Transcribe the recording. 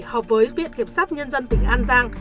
họp với viện kiểm sát nhân dân tỉnh an giang